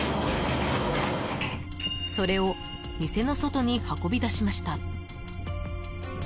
［それを店の外に運び出しました］